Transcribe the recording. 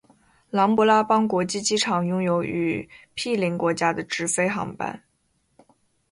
琅勃拉邦国际机场拥有与毗邻国家的直飞航班。